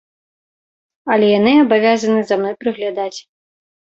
Але яны абавязаны за мной прыглядаць.